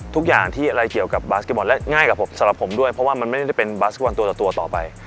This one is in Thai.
ทุกอย่างที่อะไรเกี่ยวกับบาสเก็บอลและง่ายกับผมสำหรับผมด้วยเพราะว่ามันไม่ได้เป็นบาสบอลตัวต่อตัวต่อไป